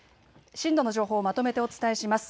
震度の情報、まとめてお伝えします。